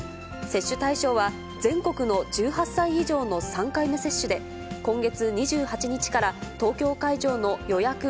接種対象は、全国の１８歳以上の３回目接種で、今月２８日から東京会場の予約